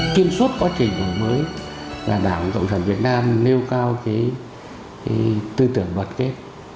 kiên suốt quá trình mới là đảng cộng sản việt nam nêu cao cái tư tưởng đoàn kết